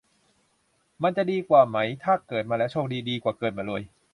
มันจะดีกว่าไหมถ้าเกิดมาแล้วโชคดี ดีกว่าเกิดมารวย